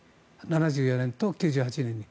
７４年と９８年に。